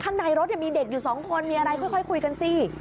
ข้างในรถมีเด็กอยู่สองคนมีอะไรค่อยคุยกันสิ